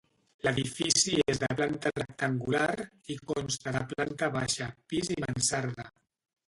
L'edifici és de planta rectangular, i consta de planta baixa, pis i mansarda.